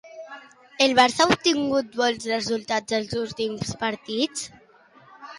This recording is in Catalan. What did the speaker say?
El Barça ha obtingut bons resultats en els últims partits?